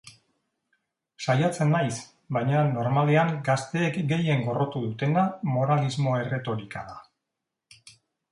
Saiatzen naiz, baina normalean gazteek gehien gorroto dutena moralismo erretorika da.